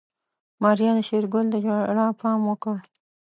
ماريا د شېرګل د ژړا پام وکړ.